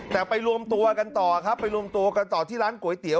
แต่ไปรวมตัวกันต่อครับไปรวมตัวกันต่อที่ร้านก๋วยเตี๋ย